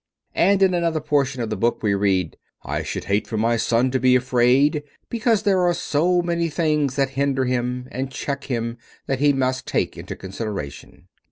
And in another portion of the book we read, "I should hate for my son to be afraid, because there are so many things that hinder him and check him that he must take into consideration."